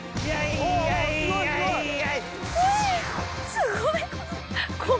すごい！